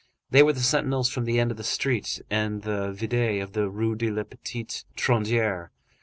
They were the sentinels from the end of the street, and the vidette of the Rue de la Petite Truanderie.